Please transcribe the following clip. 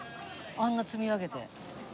あんな積み上げて。